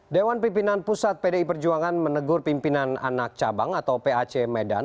dewan pimpinan pusat pdi perjuangan menegur pimpinan anak cabang atau pac medan